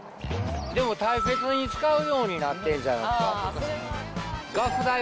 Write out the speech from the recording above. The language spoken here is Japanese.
でも大切に使うようになってるんじゃないですか。